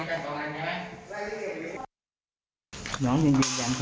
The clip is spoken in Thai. ลองไปดูบรรยากาศช่วงนั้นนะคะ